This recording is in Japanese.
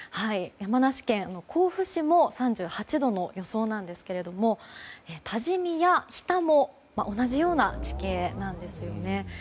山梨県甲府市も３８度の予想なんですが多治見や日田も同じような地形なんですよね。